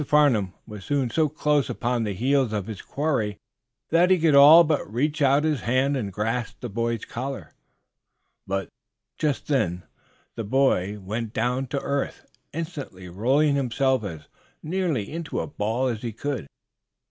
Farnum was soon so close upon the heels of his quarry that he could all but reach out his hand and grasp the boy's collar. But just then the boy went down to earth, instantly rolling himself as nearly into a ball as he could.